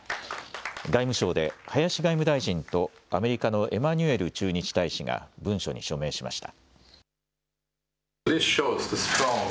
外務省で林外務大臣とアメリカのエマニュエル駐日大使が文書に署名しました。